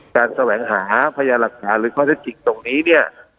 การแสวงหาพญาหลักการหรือข้อเท็จจีนตรงนี้เนี่ย